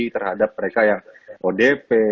terhadap mereka yang odp